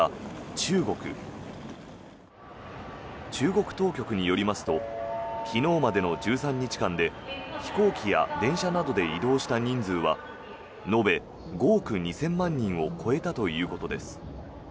中国当局によりますと昨日までの１３日間で飛行機や電車などで移動した人数は延べ５億２０００万人を超えたということです。